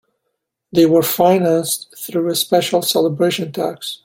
They were financed through a special celebration tax.